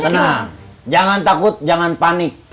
tenang jangan takut jangan panik